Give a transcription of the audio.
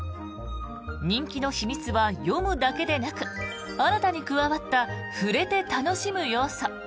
人気の秘密は読むだけでなく新たに加わった触れて楽しむ要素。